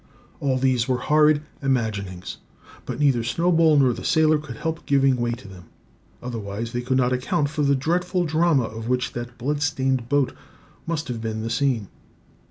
All these were horrid imaginings; but neither Snowball nor the sailor could help giving way to them. Otherwise they could not account for the dreadful drama of which that bloodstained boat must have been the scene.